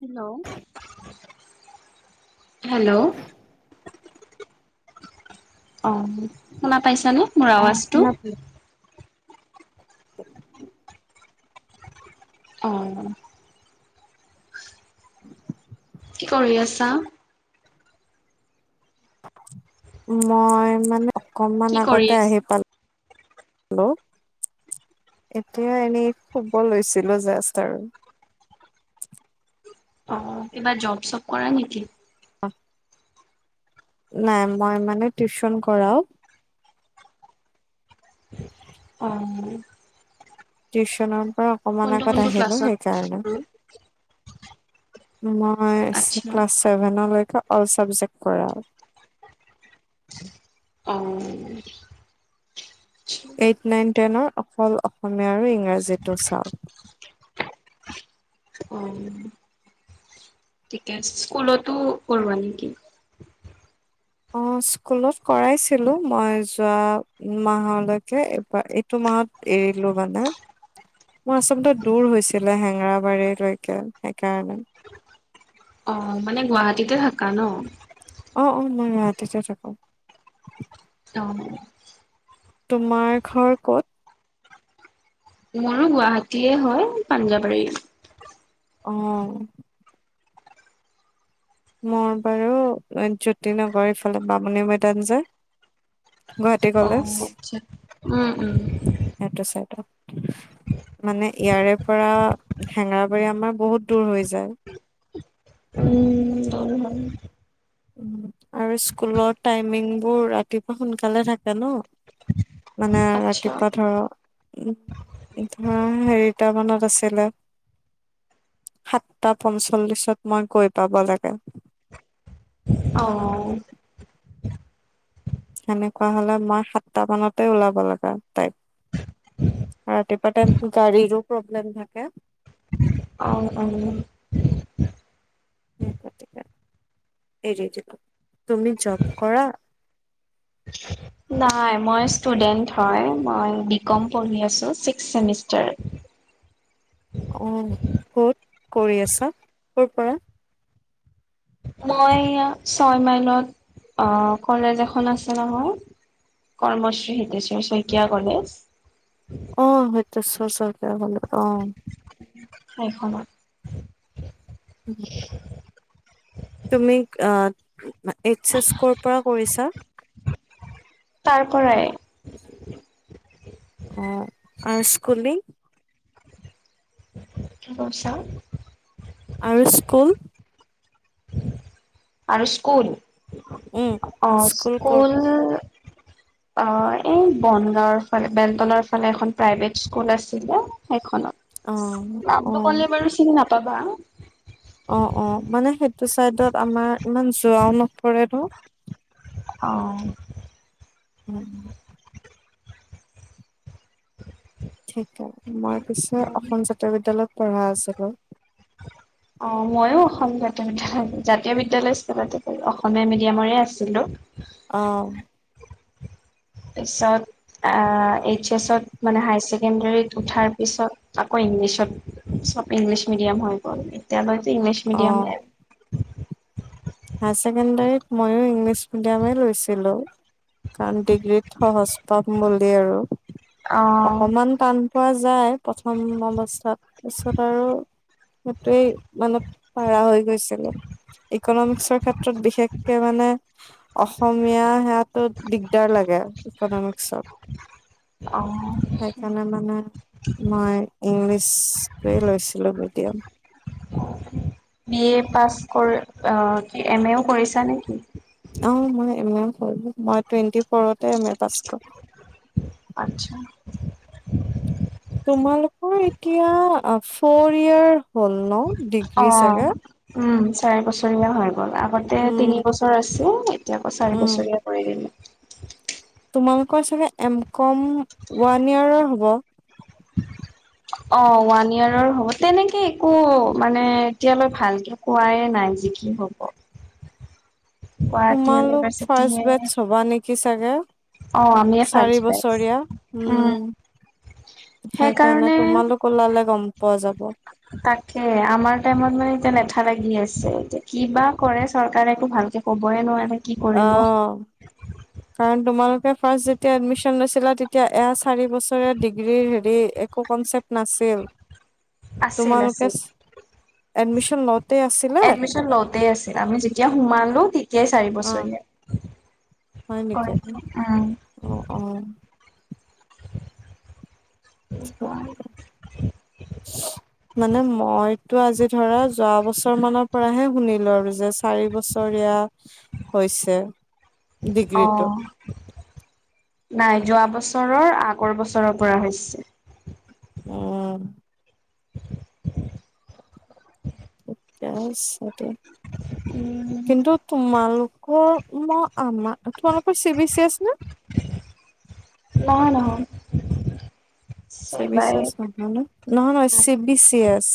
Hello hello অ শুনা পাইছানে মোৰ অ আৱাজটো শুনা [unintelligible] [unintelligible] অ কি কৰি আছা মই মানে অকনমান কি কৰি আগতে আছা? আহি পালো হেল্ল' এতিয়া এনেই শুব লৈছিলো জোষ্ট আৰু অ কিবা জব চব কৰা নেকি অ নাই মই মানে টিউশন কৰাও অ টিউশচনৰ পৰা অকমান কোনটো আগত কোনটো আহিলো ক্লাছত? সেইকাৰণে কৰোঁ? মই আচ্ছা ক্লাছ চছেভেনলৈকে অল চাবজেক্ট কৰা অ এইট নাইন টেনৰ অকল অসমীয়া আৰু ইংৰাজীটো চাওক অ ঠিকে স্কুলতো কৰঢোৱাা নেকি অ [unintelligible] স্কুলত কৰাইছিলো মই যোৱা মাহলৈকে এইবাৰ এইটো মাহত এৰিলো মানে মোৰ আচলতে দূৰ হৈছিলে হেংৰাবাৰী লৈকে সেইকাৰণে অহ মানে গুৱাহাটীতে থাকা ন অ অ মই গুৱাহাটীতে থাকো অহ তোমাৰ ঘৰ ক'ত মোৰো গুৱাহাটীয়ে হয় পাঞ্জাবাৰী অহ মোৰ বাৰু জ্যোতিনগৰ এইফালে বামুণী মৈদাম যে গুৱাহাটী কলেজ, অ', আচ্ছা। উম, উম, এইটো চাইডত [inaudible] মানে ইয়াৰে পৰা হেঙৰাবাৰী আমাৰ বহুত দূৰ হৈ যায় উম জানো জানো আৰু স্কুলৰ টাইমিংবোৰ ৰাতিপুৱা সোনকালে থাকে ন মানে আচ্ছা ৰাতিপুৱা ধৰক উম ধৰা হেৰি [unintelligible] টা মানত আছিলে সাতটা পঞ্চল্লিছত মই গৈ পাব লাগে অহ সেনেকুৱা হ'লে মই সাতটা মানতে ওলাব লগা তাইম। ৰাতিপুৱাতে গাড়ীৰো প্ৰব্লেম থাকে। অহ অহ সেয়ে গতিকে এৰি দিলো, তুমি জব কৰা? [inaudible] নাই মই ষ্টুডেণ্ট হয়, মই বি কম পঢ়ি আছো ছিক্স চেমিষ্টাৰ। [inaudible] অ ক'ত কৰি আছা, ক'ৰ পৰা? মই এইয়া ছয় মাইলত আ কলেজ এখন আছে নহয় কৰ্মশ্ৰী হিতেশ্বৰ শইকীয়া কলেজ। অ হিতেশ্বৰ শইকীয়া কলেজ, অ সেইখনত। হম তুমি আ এইচ এছ ক'ৰ পৰা কৰিছা? তাৰ পৰাই অহ, আৰু স্কুলিং? কি কৈছা? আৰু স্কুল? আৰু স্কুল, উম অহ কৰ স্কুল পৰা অহ এই বনগাঁওৰ ফালে বেলতলাৰ ফালে এখন প্ৰাইভেট স্কুল আছিলে অ সেইখনত। অ নামটো ক'লে বাৰু চিনি নাপাবা। এইটো চাইডত আমাৰ ইমান যোৱাও নপৰে ন। অহ উম উম ঠিকে, মই পিছে অ অসম জাতীয় বিদ্যালয়ত পঢ়া আছিলো। অ মইয়ো অসম জাতীয় বিদ্যালয় জাতীয় বিদ্যালয় স্কুলতে পঢ়া, অসমীয়া মিডিয়ামৰে আছিলো। অ পিছত আ এইচ এছ ত মানে হায়াৰ ছেকেণ্ডাৰীত উঠাৰ পিছত আকৌ ইংলিছত চব ইংলিছ মিডিয়াম হৈ গ'ল এতিয়াৰ পৰাটো ইংলিছ অ মিডিয়ামে আৰু। হায়াৰ ছেকেণ্ডাৰীত মইয়ো ইংলিছ মিডিয়ামে লৈছিলো। কাৰণ ডিগ্ৰীত সহজ পাম বুলি আৰু, অ অকমান টান পোৱা যায় প্ৰথম অৱস্থাত তাৰপিছত আৰু সিহটোৱেই মানে পাৰা হয় গৈছিলো, ইকনমিক্সৰ ক্ষেত্ৰত বিশেষকে মানে অসমীয়া সেয়াটো দিগদাৰ লাগে ইকনমিক্সত। অ সেইকাৰণে মানে মই ইংলিছটোৱে লৈছিলো বে এতিয়া বি এ পাছ কৰি কি এম এও কৰিছা নেকি? অ মই এম এ ও কৰিলোঁ, মই টুৱেণ্টি ফৰতে এম এ পাছ কৰা। আচ্ছা তোমালোকৰ এতিয়া ফৰ ইয়াৰ অ, উম, চাৰি বছৰ ৰীয়া হৈ গ'ল আগতে উম, তিনি বছৰ আছিল এতিয়া আকৌ চাৰি উম, বছৰীয়া কৰি দিলে। [unintelligible] তোমালোকৰ চাগে এম কম ওৱান ইয়েৰৰ হ'ব। [unintelligible] অ ওৱান ইয়াৰৰ হ'ব, তেনেকে একো মানে এতিয়ালৈ ভালকে কোৱাই নাই যি কি হ'ব। গুৱাহাটী তোমালোক ইউনিভাৰ্চিটিয়ে ফাৰ্ষট বেটছ হবা নেকি চাগে অ আমিয়ে চাৰি ফাৰ্ষ্ট বেটছ বছৰীয়া, উম উম। সেইকাৰণে তোমালোক ওলালে গম পোৱা যাব। তাকে আমাৰ টাইমত মানে তেনেপ থা লাগি আছে এতিয়া কিবা কৰে চৰকাৰে একো ভালকে ক'বই নোৱাৰে। কি অ কৰিব কাৰণ তোমাৰ ফাৰ্ষ্ট যেতিয়া এডমিশন লৈছিলা তেতিয়া এয়া চাৰি বছৰীয়া ডিগ্ৰীৰ হেৰি একো কনচেপ্ট নাছি [unintelligible] আছিল আছিল। এডমিশ্যন লওঁতে আছিলে এডমিশন লওতেই আছিল আমি যেতিয়া সোমালো তি অ', [unintelligible] চািৰ হয় নেকি? বছৰীয়া কয় অ', অ', উম মানে মই টো আজি ধৰা যোৱা বছৰ মানৰ পৰাহে শুনিলো আৰু যে চাৰি বছৰীয়া হয়। ইছে অ নাই। যোৱা বছৰৰ আগৰ বছৰৰ পৰা হৈছে। উম। তেতিয়াই চাগে উম কিন্তু তোমালোক অ ম আমা তোমালোকৰ চি বি চি আছে ন? নহয় নহয়। চি বি চিবাই চাচ নহয় ন, নহয় নহয় চি বি চি এছ।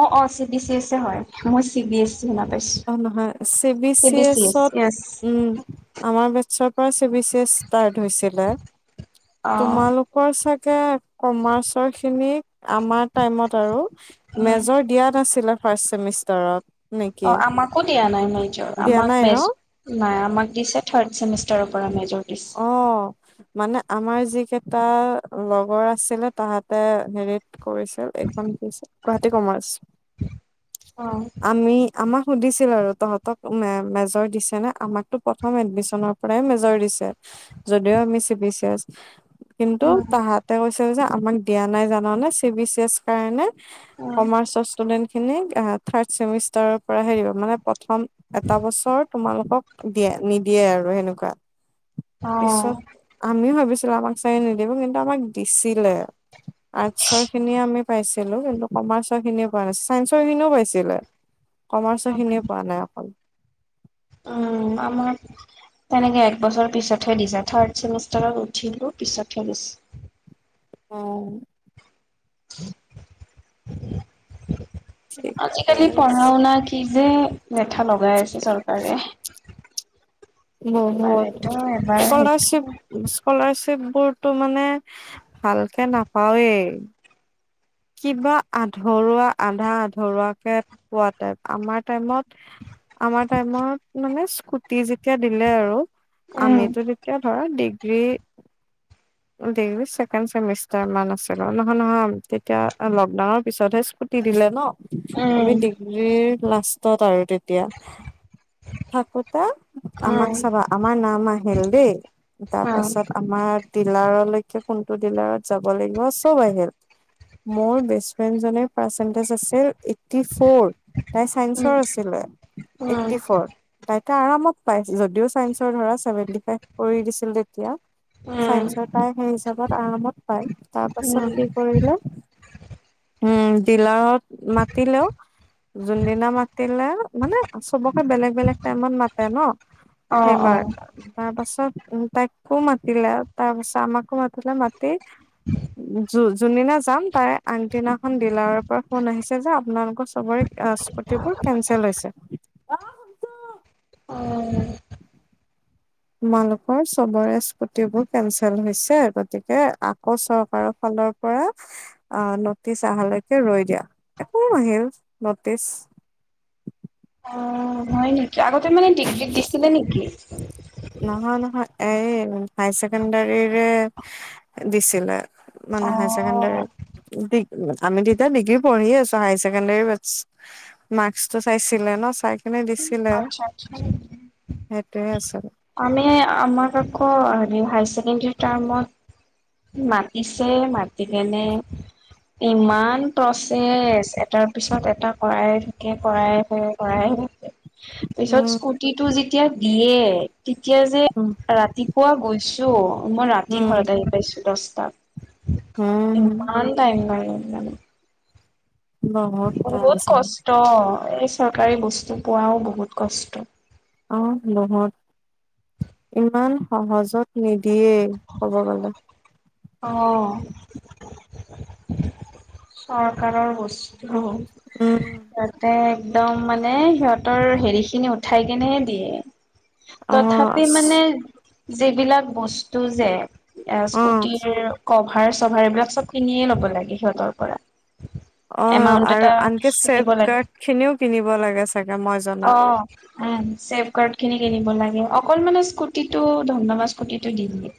অ অ চি বি চি এছে হয় মই চি বি এছ চি শুনা পাইছো অ নহয় চি বি চি এছত উম। আমাৰ বেটছৰ পৰা C B C S start হৈছিলে অ তোমালোকৰ চাগ গে কমাৰ্চৰ খিনিক আমাৰ টাইমত আৰু উম মেজৰ দিয়া নাছিলে। ফাৰ্ষ্ট চেমিষ্টাৰত নেকি? একো দিয়া নাই মেজৰ দিয়া আমাক নাই ন মেজ নাই আমাক দিছে থাৰ্ড চেমিষ্টাৰৰ পৰা মেজৰ দিছে অ মানে আমাৰ যিকেইটা লগৰ আছিলে তাহাতে হেৰিত কৰিছিল এইখন কি আছিল, গুৱাহাটী কমাৰ্চ অ আমি আমাক সুধিছিল আৰু তহঁতক মে মেজৰ দিছে নে? আমাকতো প্ৰথম এডমিশনৰ পৰাই মেজৰ দিছে। যদিও আমি চি পি চি এছ কিন্তু উম তাহাঁতে কৈছ ছে আমাক দিয়া নাই জানে চি বি চি এছ কাৰণে উম কমাৰ্চৰ ষ্টুডেন্ট খিনিক থাৰ্ড চেমিষ্টাৰৰ পৰা হে দিব মানে প্ৰথম এটা বছৰ তোমালোকক দিয়ে নিদিয়ে আৰু সেনেকুৱা অ পিছত আমিও ভাবিছো আমাক চাগ নিদিব কিন্তু আমাক দিছিলে আৰ্চৰ খিনি আমি পাইছিলো কিন্তু কমাৰ্চৰ খিনি পোৱা নাছিল চাইন্সৰ খিনিও পাইছিলে কমাৰ্চৰ খিনিয়ে পোৱা নাই অকল। উম আ ম তেনেকে একবছৰ পিছতহে দিছা থাৰ্ড চেমিষ্টাৰত উঠিলো পিছতহে দিছে অ', ঠিকে আজিকালি আছে পঢ়া-শুনা কি যে লেঠা লগাই আছে চৰকাৰে উম হু এবাৰ এইটো এবাৰ সেইটো স্কলাৰশিপ স্কলাৰশিপ পোৰটো মানে ভালকে নাপাওৱেই কিবা আধৰুৱা আধা আধৰুৱাকে পোৱা টাইপ আমাৰ টাইমত আমাৰ টাইমত মানে স্কুটি যেতিয়া দিলে আৰু উম আমিতো তেতিয়া ধৰা ডিগ্ৰী ডিগ্ৰী ছেকেণ্ড ছেমিষ্টাৰ মান আছিলো নহয় নহয় তেতিয়া লকডাউনৰ পিছতহে স্কুটি দি দিলে ন আমি উম ডিগ্ৰীৰ লাষ্টত আৰু তেতিয়া থাকোতা আমাক চাবা আমাৰ নাম আহিল দেই তাৰপাছত আমাৰ। ডিলাৰলৈকে কোনটো ডিলাৰত যাব লাগিব চব আহিল মোৰ বেষ্ট ফ্ৰেইণ্ড জনে পাৰ্চেনটিজ আছিল এইট এইটটি ফৰ তাই চাইন্সৰ আছিলে এইটটি ফৰ তাই আৰামত পাই যদিও চাইন্সৰ ধৰা চেভেনটি ফাইভ কৰি দিছিল তেতিয়া চাইন্সৰ প্ৰাই সেই হিচাপত আৰামত পায় তাৰ পাছত কি কৰিলে উম ডিলাৰত মাতিলেও যোনদিনা মাতিলে মানে চবকে বেলেগ বেলেগ টাইমত মাতে ন অ', সেইবাৰ অ', তাৰ পাছত উ তাকো মাতিলা তাৰ শামাক ও মাতিলে মাতি যোনদিনা যাম তাই আনদিনাখন ডিলাৰৰ পৰা ফোন আহিছে যে আপোনালোকৰ চবৰে স্কুতিবোৰ কেনচেল হৈছে অ তোমালোকৰ চবৰে স্কুটিবোৰ কেনচেল হৈছে গতিকে আকৌ চৰকাৰৰ ফাল স্কুলৰ পৰা আহ নটিচ অহালৈকে ৰৈ দিয়া একো নাহিল নটিচ অ হয় নিকি আগতে মানে ডিগ্ৰীত দিছিলে নিকি নহয় নহয় তাইৰে হায়াৰ ছেকেণ্ডাৰীৰে দিছিলে মানে হায়াৰ ছেকেণ্ডাৰী অ', দি আমি তেতিয়া ডিগ্ৰী পঢ়িয়ে আছো হাই ছেকেণ্ডৰী মাৰ্কচ মাৰ্কচ টো চাইছিলে ন চাই সনে দিছিলে আৰু আচ্ছা আচ্ছা। সেইটোয়ে আছ আমি আমাক আকৌ হেৰি হাই ছেকেণ্ডৰী টাইমত মাতিছে মাতি কেনে ইমান প্ৰচেছ এটাৰ পিছত এটা কৰাই থাকে - কৰাই থাকে - কৰাই থাকে। ত [unintelligible] পিছত উম, স্কুটি টো যেতিয়া দিয়ে তেতিয়া যে উম, ৰাতিপুৱা গৈছো অ মই ৰাতি ঘৰত উম, আহি পাইছো দছটাত ইমান টাইম লাগে উম, বহুত টান বহুত আছে। কষ্ট এই চৰকাৰী বস্তু পোৱাও বহুত কষ্ট অহ, বহুত ইমান সহজত নিদি দিয়েই ক'ব গলে অ', চৰকাৰৰ বস্তু উম। তাতে একদম মানে সিহঁতৰ হেৰি খিনি উঠাই কেনে দিয়ে অ', তথাপি মানে যিবিলাক বস্তু যে এয়া অ', স্কুটিৰ কভাৰ চভাৰ এইবিলাক চব কিনিয়ে ল'ব লাগে সিহঁতৰ পৰা। অ এমাউন্ট আৰু এটা আনকি দিব লাগে ছেফগাৰ্ড খিনিও কিনিব লাগে। চাগে মই অ জনাত। উম চেফগাৰ্ড খিনি কিনিব লাগে। অকল মানে স্কুটিটো ধমনামা স্কুটিটো দি দিয়ে।